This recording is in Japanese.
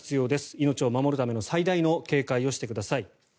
命を守るための最大の警戒をしてください。